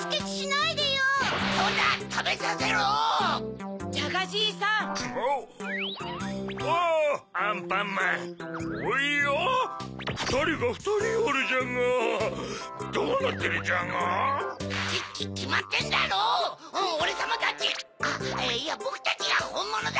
いやぼくたちがほんものだ！